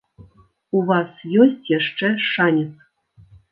У вас ёсць яшчэ шанец!